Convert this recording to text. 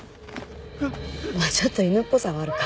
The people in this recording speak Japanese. まあちょっと犬っぽさはあるか。